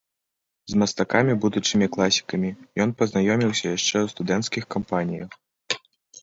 З мастакамі, будучымі класікамі, ён пазнаёміўся яшчэ ў студэнцкіх кампаніях.